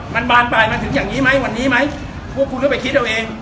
มันบานไปมันถึงอย่างงี้มั้ยวันนี้มั้ยพวกคุณก็ไปคิดเอาเอง